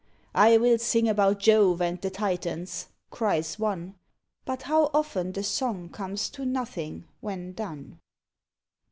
"I will sing about Jove and the Titans," cries one; But how often the song comes to nothing, when done!